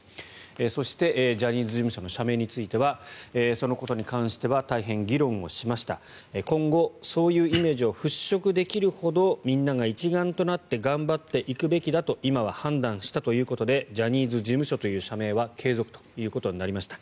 そして、ジャニーズ事務所の社名についてはそのことに関しては大変議論をしました今後そういうイメージを払しょくできるほどみんなが一丸となって頑張っていくべきだと今は判断したということでジャニーズ事務所という社名は継続ということになりました。